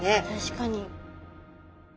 確かに。